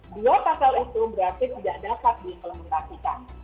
dua pasal itu berarti tidak dapat diimplementasikan